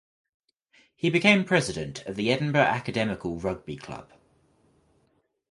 He became President of the Edinburgh Academical rugby club.